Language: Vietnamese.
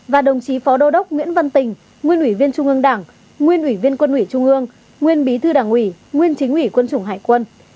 và đồng chí phó đô đốc nguyễn văn tình nguyên ủy viên trung ương đảng nguyên ủy viên quân ủy trung ương nguyên bí thư đảng ủy nguyên chính ủy quân chủng hải quân